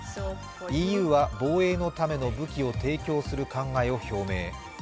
ＥＵは、防衛のための武器を提供する考えを表明。